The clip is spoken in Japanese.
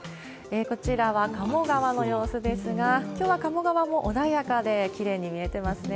こちらは鴨川の様子ですが、きょうは鴨川も穏やかできれいに見えてますね。